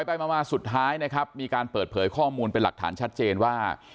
ไปมาสุดท้ายนะครับมีการเปิดเผยข้อมูลเป็นหลักฐานชัดเจนว่า